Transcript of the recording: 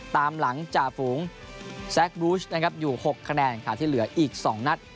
ตามหลังจ่าฝูงอยู่หกคะแนนค่ะที่เหลืออีกสองนัด